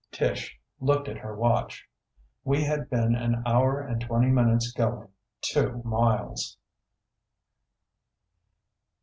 Tish looked at her watch. We had been an hour and twenty minutes going two miles!